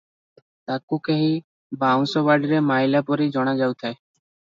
ତାକୁ କେହି ବାଉଁଶ ବାଡ଼ିରେ ମାଇଲା ପରି ଜଣାଯାଉଥାଏ ।"